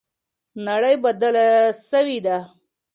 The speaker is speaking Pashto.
نړۍ بدله سوې ده.